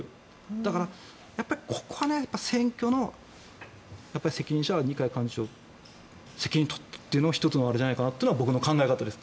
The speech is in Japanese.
だからここは選挙の責任者は二階幹事長責任取ってというのは１つのあれじゃないかなというのが僕の考え方です。